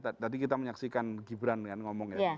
tadi kita menyaksikan gibran kan ngomong ya